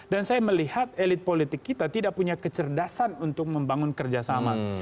dan saya melihat elit politik kita tidak punya kecerdasan untuk membangun kerjasama